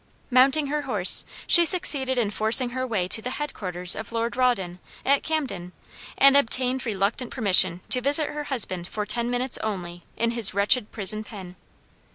Mounting her horse, she succeeded in forcing her way to the head quarters of Lord Rawdon, at Camden, and obtained reluctant permission to visit her husband for ten minutes only in his wretched prison pen.